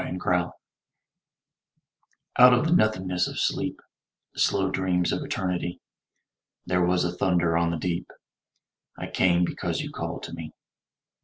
The Call Out of the nothingness of sleep, The slow dreams of Eternity, There was a thunder on the deep: I came, because you called to me.